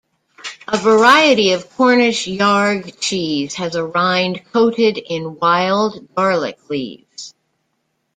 A variety of Cornish Yarg cheese has a rind coated in wild garlic leaves.